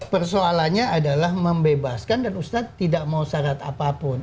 persoalannya adalah membebaskan dan ustadz tidak mau syarat apapun